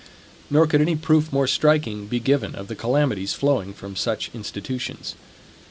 Nor could any proof more striking be given of the calamities flowing from such institutions.